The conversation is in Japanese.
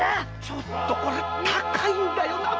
ちょっとこれ高いんだよなあ。